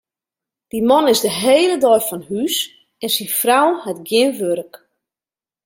Dy man is de hiele dei fan hús en syn frou hat gjin wurk.